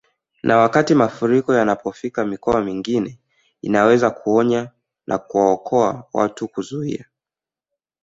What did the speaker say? Na wakati mafuriko yanapofika mikoa mingine inaweza kuonya na kuwaokoa watu kuzuia